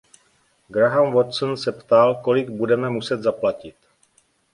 Graham Watson se ptal, kolik budeme muset zaplatit.